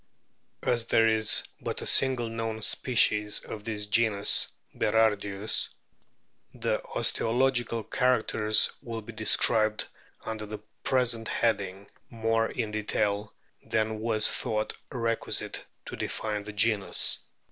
As there is but a single known species of this genus Berardius, the osteological characters will be described under the present heading more in detail than was thought requisite to define the genus.